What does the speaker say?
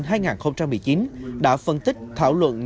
đã phân tích thảo luận những vấn đề đối với tp thông minh